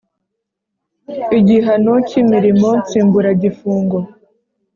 igihano cy imirimo nsimburagifungo